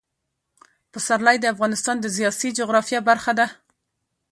پسرلی د افغانستان د سیاسي جغرافیه برخه ده.